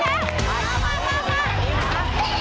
อีกแล้ว